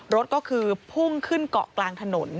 รถก็คือพุ่งขึ้นเกาะกลางถนน